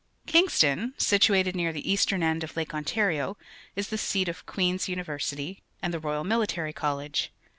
Kingston^ situated near the eastern end of Lake Ontario, is the seat of Queen's University and the Royal Mihtary College.